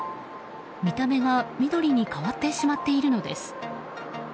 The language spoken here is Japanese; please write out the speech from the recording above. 見た目が緑に変わってしまっているのです。